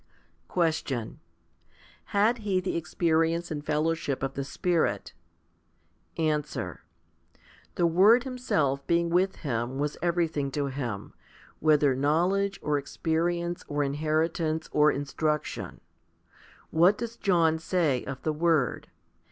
7. Question. Had he the experience and fellowship of the Spirit? Answer. The Word Himself being with him was every thing to him, whether knowledge, or experience, or inheri tance, or instruction. What does John say of the Word?